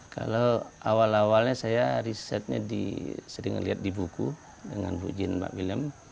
kalau awal awalnya saya risetnya sering lihat di buku dengan bu jin mbak willem